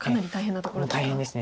大変です。